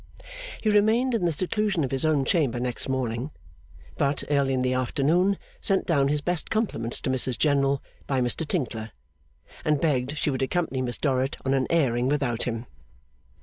He remained in the seclusion of his own chamber next morning; but, early in the afternoon, sent down his best compliments to Mrs General, by Mr Tinkler, and begged she would accompany Miss Dorrit on an airing without him.